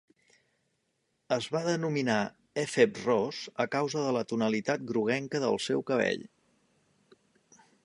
Es va denominar efeb ros a causa de la tonalitat groguenca del seu cabell.